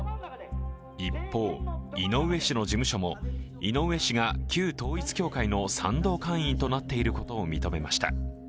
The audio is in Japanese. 一方、井上氏の事務所も井上氏が旧統一教会の賛同会員となっていることを認めました。